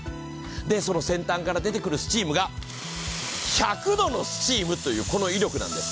その先端から出てくるスチームが１００度の威力というこのスチームなんです。